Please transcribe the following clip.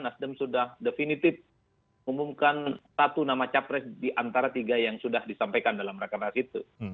nasdem sudah definitif umumkan satu nama capres diantara tiga yang sudah disampaikan dalam rakam rakam itu